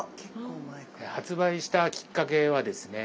発売したきっかけはですね